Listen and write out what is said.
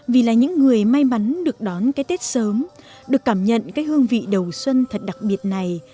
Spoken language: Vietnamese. vì là những người may mắn được đón cái tết sớm được cảm nhận cái hương vị đầu xuân thật đặc biệt này